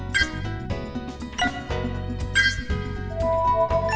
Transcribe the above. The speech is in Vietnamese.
chào tất cả các quân